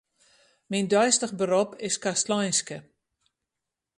Myn deistich berop is kastleinske.